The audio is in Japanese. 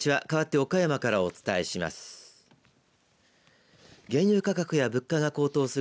かわって岡山からお伝えします。